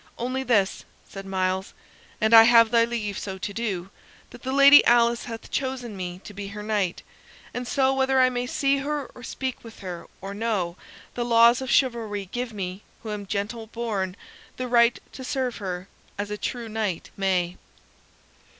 "Only this," said Myles, "an I have thy leave so to do, that the Lady Alice hath chosen me to be her knight, and so, whether I may see her or speak with her or no, the laws of chivalry give me, who am gentle born, the right to serve her as a true knight may."